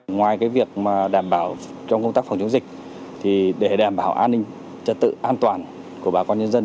ngoài cái việc mà đảm bảo trong công tác phòng chống dịch thì để đảm bảo an ninh trật tự an toàn của bà con nhân dân